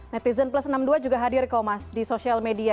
netizen plus enam puluh dua juga hadir kok mas di sosial media